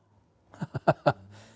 アハハハ。